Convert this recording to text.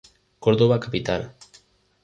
Córdoba Capital.